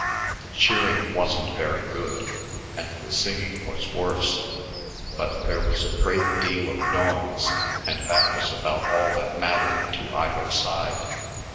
The cheering wasn't very good, and the singing was worse; but there was a great deal of noise, and that was about all that mattered to either side.